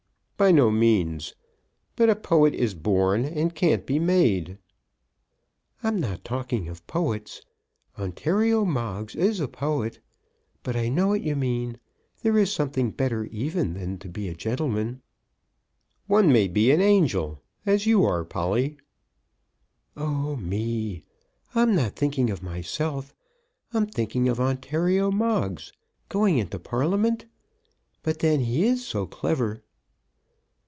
"By no means. But a poet is born, and can't be made." "I'm not talking of poets. Ontario Moggs is a poet. But I know what you mean. There's something better even than to be a gentleman." "One may be an angel, as you are, Polly." "Oh, me; I'm not thinking of myself. I'm thinking of Ontario Moggs, going into Parliament. But then he is so clever!"